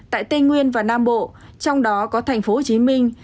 tại tây nguyên và nam bộ trong đó có thành phố hồ chí minh